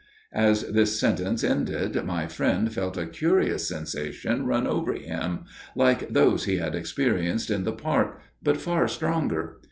"As this sentence ended my friend felt a curious sensation run over him, like those he had experienced in the park, but far stronger.